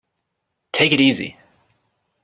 Take it easy!